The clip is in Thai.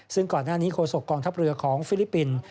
ซึ่งก่อนหน้านี้โฆษกองทัพเรือของฟิลิปปินส์